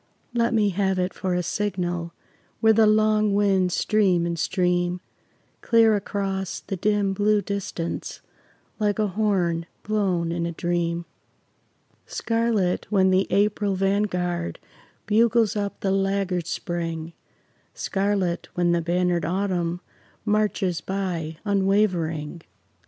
Let me have it for a signal, Where the long winds stream and stream, Clear across the dim blue distance, Like a horn blown in a dream; Scarlet when the April vanguard Bugles up the laggard Spring, Scarlet when the bannered Autumn, Marches by unwavering.